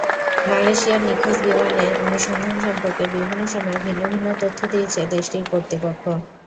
মালয়েশিয়ার নিখোঁজ বিমানের অনুসন্ধান সম্পর্কে বিভিন্ন সময়ে ভিন্ন ভিন্ন তথ্য দিয়েছে দেশটির কর্তৃপক্ষ।